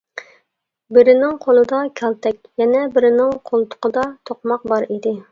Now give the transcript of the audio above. بىرىنىڭ قولىدا كالتەك، يەنە بىرىنىڭ قولتۇقىدا توقماق بار ئىدى.